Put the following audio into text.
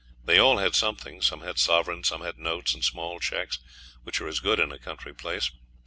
They all had something. Some had sovereigns, some had notes and small cheques, which are as good in a country place.